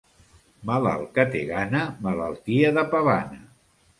Malalt que té gana, malaltia de pavana.